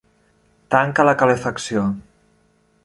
Tanca la calefacció.